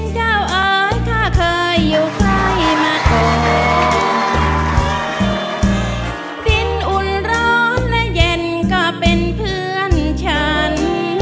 ดินอุ่นร้อนและเย็นก็เป็นเพื่อนฉัน